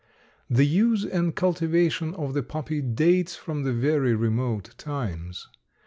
The use and cultivation of the poppy dates from very remote times.